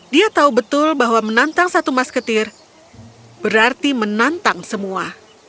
dia tahu betul bahwa menantang satu masketir berarti menantang semua